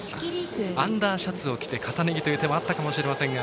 アンダーシャツを着て重ね着という手もあったかもしれませんが。